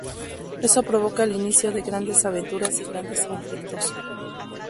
Eso provoca el inicio de grandes aventuras y grandes conflictos.